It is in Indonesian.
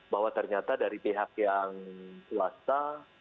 bahwa ternyata dari pihak yang swasta